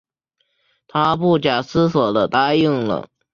她不假思索地答应了